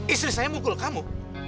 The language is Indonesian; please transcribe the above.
istri saya mukul kamu